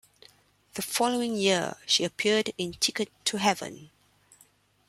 The following year, she appeared in "Ticket to Heaven".